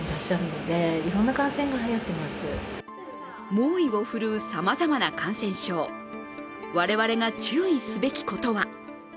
猛威を振るうさまざまな感染症、我々が注意すべきことは？